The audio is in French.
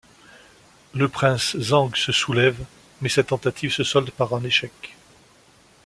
Le prince Zhang se soulève, mais sa tentative se solde par un échec.